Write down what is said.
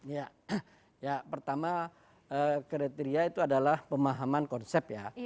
ya pertama kriteria itu adalah pemahaman konsep ya